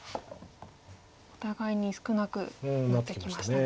お互いに少なくなってきましたね。